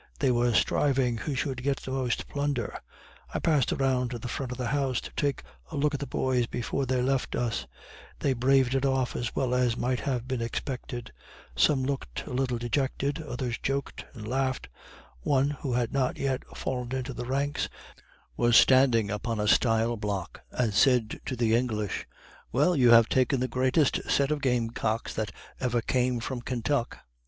They were striving who should get the most plunder. I passed around to the front of the house to take a look at the boys before they left us; they braved it off as well as might have been expected. Some looked a little dejected others joked and laughed. One, who had not yet fallen into the ranks, was standing upon a stile block, and said to the English: "Well, you have taken the greatest set of game cocks that ever came from Kentuck."